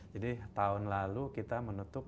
jadi tahun lalu kita menutup